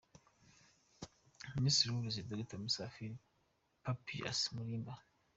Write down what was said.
Minisitiri w'Uburezi, Dr Musafiri Papias Malimba.